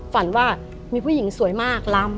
ฝันว่ามีผู้หญิงสวยมากล้ำ